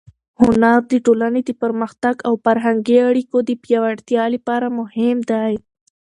هنر د ټولنې د پرمختګ او فرهنګي اړیکو د پیاوړتیا لپاره مهم دی.